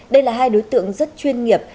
đây là hai đối tượng rất chuyên nghiệp